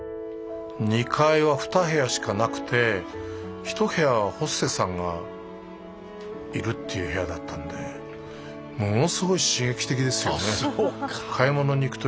２階は２部屋しかなくて１部屋はホステスさんがいるっていう部屋だったんでものすごい刺激的ですよね。